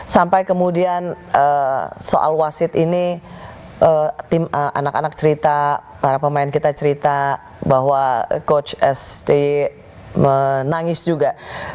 sampai kemudian soal wasit ini anak anak cerita para pemain kita cerita bahwa coach st menangis juga